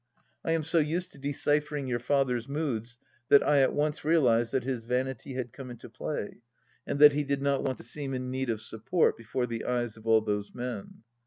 I am so used to deciphering your father's moods that I at once realised that his vanity had come into play and that he did not want to seem in need of support before the eyes of all those men.